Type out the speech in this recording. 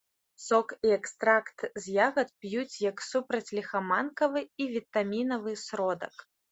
Сок і экстракт з ягад п'юць як супрацьліхаманкавы і вітамінавы сродак.